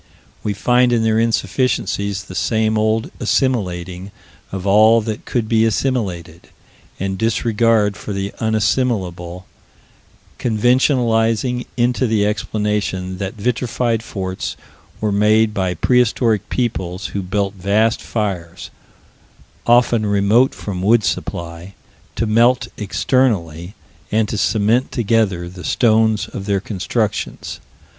We find in their insufficiencies the same old assimilating of all that could be assimilated, and disregard for the unassimilable, conventionalizing into the explanation that vitrified forts were made by prehistoric peoples who built vast fires often remote from wood supply to melt externally, and to cement together, the stones of their constructions.